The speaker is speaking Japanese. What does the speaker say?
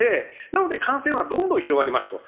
なので感染はどんどん広がりますと。